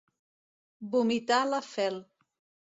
Vomitar la fel.